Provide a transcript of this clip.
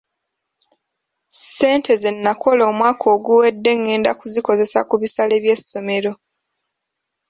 Ssente ze nakola omwaka oguwedde ngenda kuzikozesa ku bisale by’essomero.